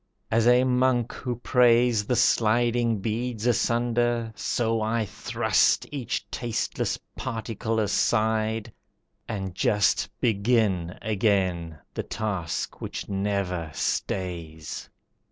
As a monk who prays The sliding beads asunder, so I thrust Each tasteless particle aside, and just Begin again the task which never stays.